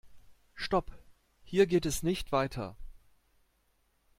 Stop! Hier geht es nicht weiter.